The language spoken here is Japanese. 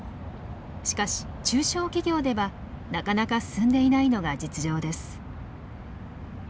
しかし中小企業ではなかなか進んでいないのが実情です。